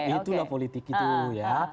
itulah politik itu ya